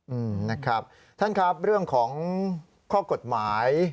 อืมนะครับท่านครับเรื่องของข้อกฎหมาย